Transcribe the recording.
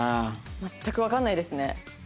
全くわかんないですね。